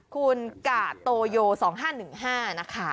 คุณกาโตโย๒๕๑๕นะคะ